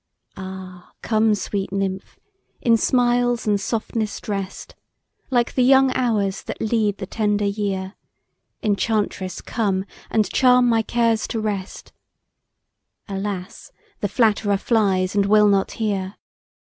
Ah, come sweet nymph! in smiles and softness drest, Like the young hours that lead the tender year, Enchantress, come! and charm my cares to rest: Alas! the flatterer flies, and will not hear!